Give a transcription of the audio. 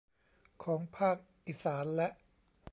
ของภาคอิสานและ